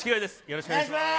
よろしくお願いします